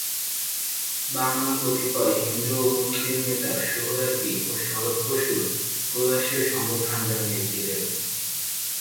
বাংলার কতিপয় হিন্দু ও মুসলিম নেতা সোহরাওয়ার্দী ও শরৎ বসুর প্রয়াসের সমর্থন জানিয়েছিলেন।